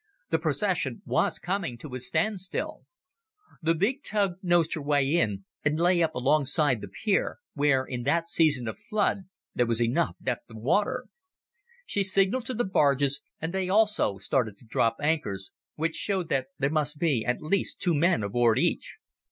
The procession was coming to a standstill. The big tug nosed her way in and lay up alongside the pier, where in that season of flood there was enough depth of water. She signalled to the barges and they also started to drop anchors, which showed that there must be at least two men aboard each.